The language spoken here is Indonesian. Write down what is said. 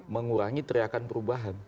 mengurangi teriakan perubahan